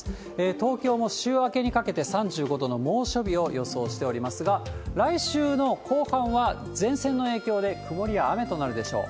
東京も週明けにかけて３５度の猛暑日を予想しておりますが、来週の後半は前線の影響で曇りや雨となるでしょう。